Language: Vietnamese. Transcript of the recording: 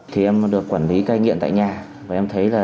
thì em được quản lý cai nghiện tại nhà